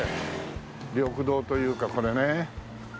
緑道というかこれね。